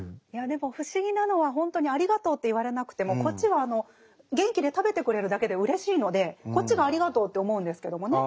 でも不思議なのはほんとにありがとうって言われなくてもこっちは元気で食べてくれるだけでうれしいのでこっちがありがとうって思うんですけどもね。